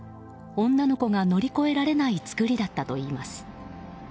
女の子が乗り越えられない作りだったといいます。